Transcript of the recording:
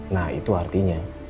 nah itu artinya